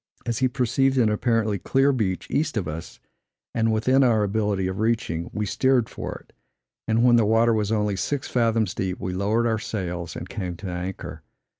As he perceived an apparently clear beach east of us, and within our ability of reaching, we steered for it; and when the water was only six fathoms deep, we lowered our sails and came to anchor.